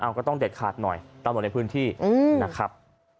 เอาก็ต้องเด็ดคลาสหน่อยตามหน่อยในพื้นที่นะครับ